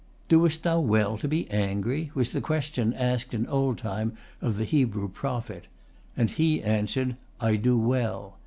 "Doest thou well to be angry?" was the question asked in old time of the Hebrew prophet. And he answered, "I do well."